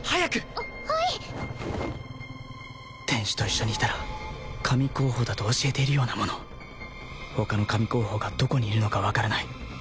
あっはい天使と一緒にいたら神候補だと教えているようなもの他の神候補がどこにいるのか分からない